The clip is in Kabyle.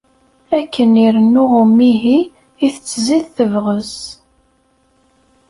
Akken irennu umihi i tettzid tebɣes.